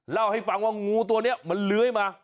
เล่าให้ฟังว่างูตัวนี้มันเลื้อยมา